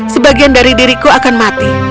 sebagian dari diriku akan mati